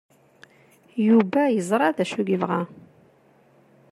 Yuba yeẓra d acu yebɣa.